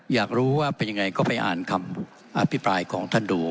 อยากรู้ว่าเป็นยังไงก็ไปอ่านคำอภิปรายของท่านดู